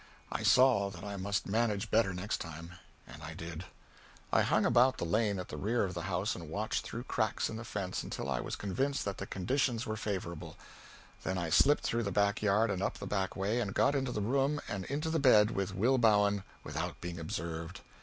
I saw that I must manage better next time, and I did. I hung about the lane at the rear of the house and watched through cracks in the fence until I was convinced that the conditions were favorable; then I slipped through the back yard and up the back way and got into the room and into the bed with Will Bowen without being observed.